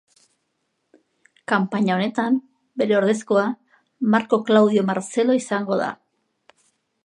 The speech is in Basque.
Kanpaina honetan, bere ordezkoa, Marko Klaudio Martzelo izango da.